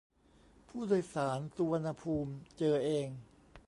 ผู้โดยสารสุวรรณภูมิเจอเอง